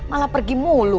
malah pergi mulu